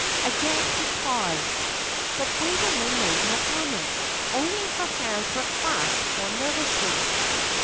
Again he paused, but Waveney made no comment, only her hands were clasped more nervously.